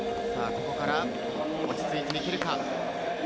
ここから落ち着いていけるか。